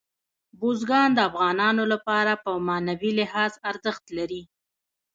بزګان د افغانانو لپاره په معنوي لحاظ ارزښت لري.